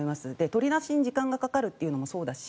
取り出しに時間がかかるのもそうだし